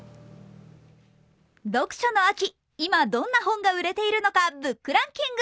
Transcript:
読書の秋、今どんな本が売れているのかブックランキング。